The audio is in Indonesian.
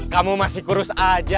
kamu masih kurus aja